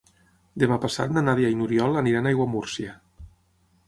Demà passat na Nàdia i n'Oriol aniran a Aiguamúrcia.